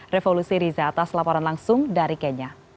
revolusi riza atas laporan langsung dari kenya